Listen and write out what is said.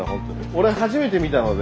俺初めて見たので。